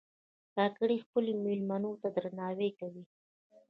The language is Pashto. کاکړي خپلو مېلمنو ته درناوی کوي.